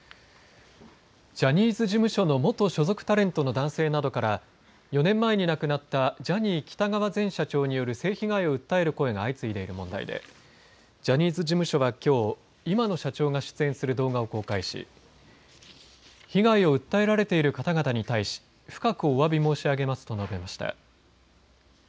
ジャニーズ事務所の元所属タレントの男性などから４年前に亡くなったジャニー喜多川前社長による性被害を訴える声が相次いでいる問題でジャニーズ事務所はきょう今の社長が出演する動画を公開し被害を訴えられている方々に対し深くおわび申し上げますと述べました。